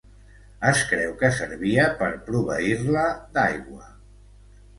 Es creu que servia per proveir-la d'aigua.